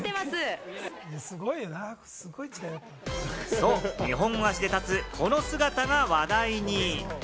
そう、２本足で立つこの姿が話題に。